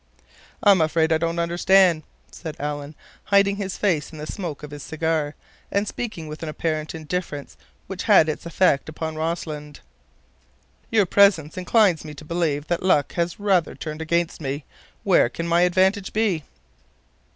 "I'm afraid I don't understand," said Alan, hiding his face in the smoke of his cigar and speaking with an apparent indifference which had its effect upon Rossland. "Your presence inclines me to believe that luck has rather turned against me. Where can my advantage be?"